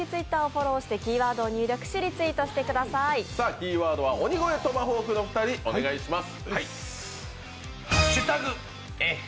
キーワードは鬼越トマホークの２人、お願いします。